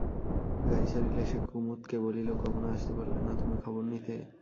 গাড়ি ছাড়িলে সে কুমুদকে বলিল, কখনো আসতে পাররে না তুমি খবর নিতে।